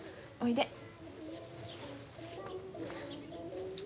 おいで。